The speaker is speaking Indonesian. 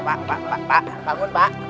pak pak pak bangun pak